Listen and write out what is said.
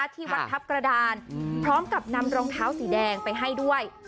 ที่วัดทัพกระดานพร้อมกับนำรองเท้าสีแดงไปให้ด้วย